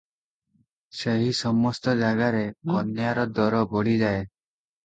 ସେହି ସମସ୍ତ ଜାଗାରେ କନ୍ୟାର ଦର ବଢ଼ିଯାଏ ।